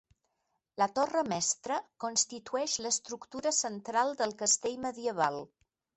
La torre mestra constitueix l'estructura central del castell medieval.